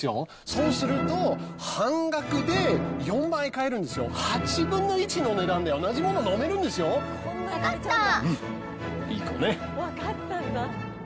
そうすると、半額で４倍買えるんですよ、８分の１の値段で、同じもの飲めるん分かった！